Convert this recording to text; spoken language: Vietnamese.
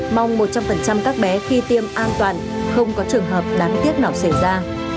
mong một trăm linh các bé khi tiêm an toàn không có trường hợp đáng tiếc nào xảy ra